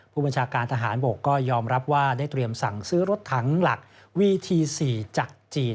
ผู้บัญชาการทหารบกก็ยอมรับว่าได้เตรียมสั่งซื้อรถถังหลักวีที๔จากจีน